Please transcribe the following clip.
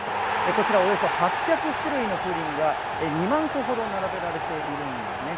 こちらおよそ８００種類の風鈴が２万個ほど並べられているんですね。